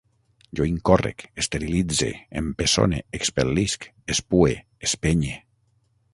Jo incórrec, esterilitze, empeçone, expel·lisc, espue, espenye